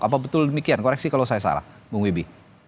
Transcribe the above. apa betul demikian koreksi kalau saya salah bung wibi